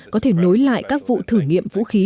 có thể nối lại các vụ thử nghiệm vũ khí